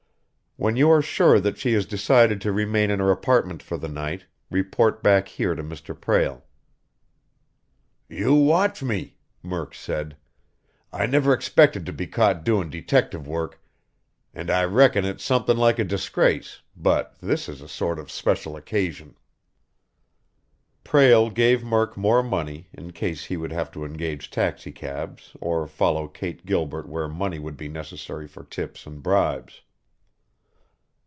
When you are sure that she has decided to remain in her apartment for the night, report back here to Mr. Prale." "You watch me," Murk said. "I never expected to be caught doin' detective work and I reckon it's somethin' like a disgrace, but this is a sort of special occasion." Prale gave Murk more money, in case he would have to engage taxicabs or follow Kate Gilbert where money would be necessary for tips and bribes.